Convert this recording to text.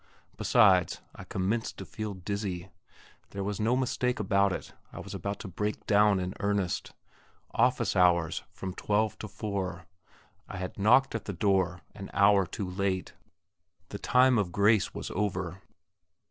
Besides, I commenced to feel dizzy. There was no mistake about it; I was about to break down in earnest. Office hours from 12 to 4. I had knocked at the door an hour too late. The time of grace was over.